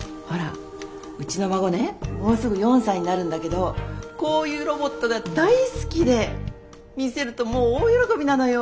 うちの孫ねもうすぐ４歳になるんだけどこういうロボットが大好きで見せるともう大喜びなのよ。